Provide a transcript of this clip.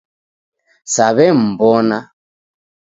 Saw'emw'ona